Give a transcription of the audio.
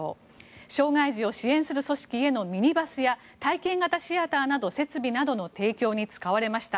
障害児を支援する組織へのミニバスや体験型シアターなどの設置の資金に使われました。